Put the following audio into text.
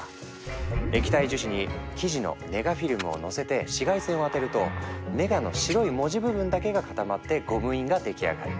液体樹脂に記事のネガフィルムを載せて紫外線を当てるとネガの白い文字部分だけが固まってゴム印が出来上がる。